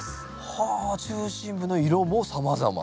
はあ中心部の色もさまざま。